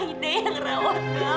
aida yang rawat bapak